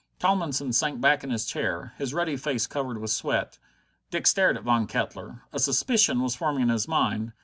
Tomlinson sank back in his chair, his ruddy face covered with sweat. Dick stared at Von Kettler. A suspicion was forming in his mind.